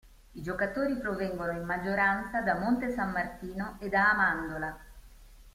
I giocatori provengono in maggioranza da Monte San Martino e da Amandola.